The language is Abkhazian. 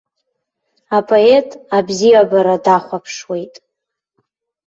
Апоет абзиабара дахәаԥшуеит.